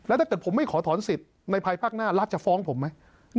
ถ้าเกิดผมไม่ขอถอนสิทธิ์ในภายภาคหน้ารัฐจะฟ้องผมไหม